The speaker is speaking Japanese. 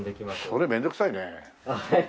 それ面倒くさいね。